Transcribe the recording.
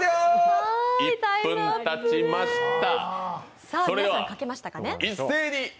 １分たちました。